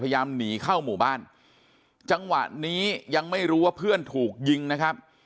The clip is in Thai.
หนีเข้าหมู่บ้านจังหวะนี้ยังไม่รู้ว่าเพื่อนถูกยิงนะครับ